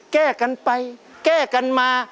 แก้กันไปแก้กันมา